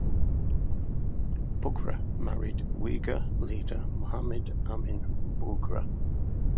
Bughra married Uyghur leader Muhammad Amin Bughra.